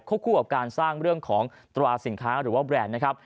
คู่กับการสร้างเรื่องของตราสินค้าหรือว่าแบรนด์นะครับ